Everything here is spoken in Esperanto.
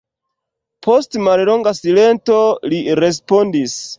Post mallonga silento, li respondis: